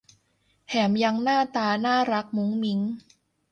แถมยังหน้าตาน่ารักมุ้งมิ้ง